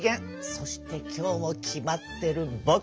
そして今日も決まってるぼく。